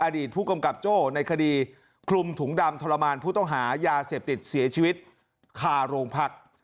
อดีตผู้กำกับโจ้ในคดีคลุมถุงดำทรมานผู้ต้องหายาเสพติดเสียชีวิตคาโรงพัก